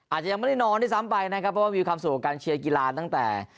อาจจะยังไม่ได้นอนด้วยซ้ำไปนะครับเพราะว่ามีความสุขกับการเชียร์กีฬาตั้งแต่